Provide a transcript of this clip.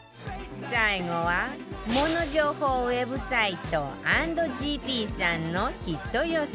最後はモノ情報ウェブサイト ＆ＧＰ さんのヒット予測